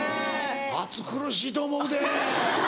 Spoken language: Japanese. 暑苦しいと思うで。